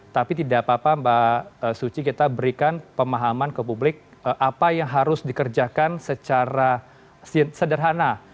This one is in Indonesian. tapi tidak apa apa mbak suci kita berikan pemahaman ke publik apa yang harus dikerjakan secara sederhana